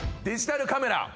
デジタルカメラ。